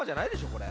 これ。